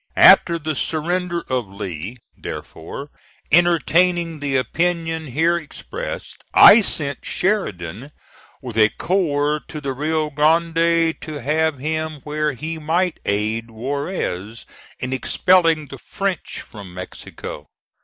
After the surrender of Lee, therefore, entertaining the opinion here expressed, I sent Sheridan with a corps to the Rio Grande to have him where he might aid Juarez in expelling the French from Mexico.